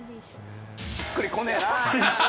しっくりこねえな！